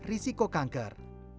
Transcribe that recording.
bersihkan risiko kanker